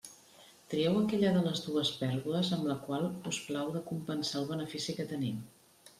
Trieu aquella de les dues pèrdues amb la qual us plau de compensar el benefici que tenim.